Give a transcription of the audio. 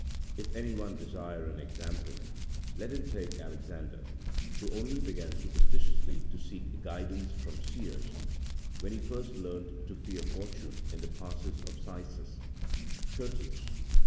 If anyone desire an example, let him take Alex ander, who only began superstitiously to seek guidance from seers, when he first learnt to fear fortune in the passes of Sysis (Curtius, v.